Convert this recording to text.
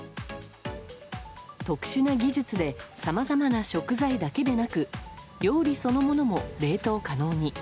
特殊な技術でさまざまな食材だけでなく料理そのものも冷凍可能に。